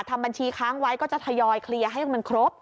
ทำบัญชีค้างไว้ก็จะทยอยเคลียร์ให้มันครบ